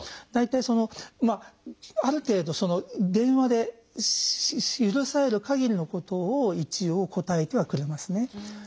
大体ある程度電話で許されるかぎりのことを一応答えてはくれますね。